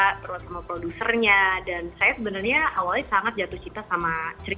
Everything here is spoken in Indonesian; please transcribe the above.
terus sama produsernya dan saya sebenarnya awalnya sangat jatuh cinta sama cerita